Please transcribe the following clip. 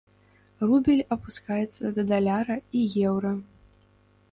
Рубель апускаецца да даляра і еўра.